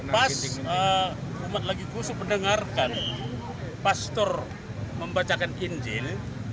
pas umat lagi kusuk mendengarkan pastor membacakan injil